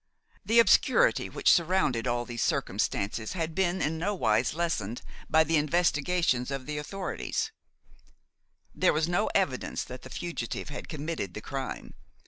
The obscurity which surrounded all these circumstances had been in nowise lessened by the investigations of the authorities; there was no evidence that the fugitive had committed the crime.